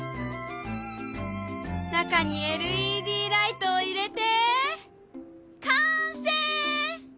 中にＬＥＤライトを入れて完成！